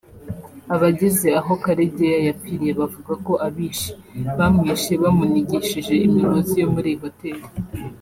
Abageze aho Karegeya yapfiriye bavuga ko abishi bamwishe bamunigishije imigozi yo muri iyi hoteli